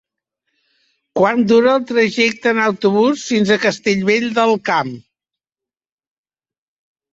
Quant dura el trajecte en autobús fins a Castellvell del Camp?